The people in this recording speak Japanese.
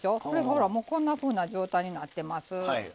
ほらこんなふうな状態になってます。